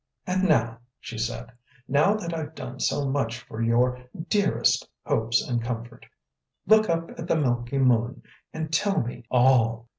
"And now," she said, "now that I've done so much for your DEAREST hopes and comfort, look up at the milky moon, and tell me ALL!"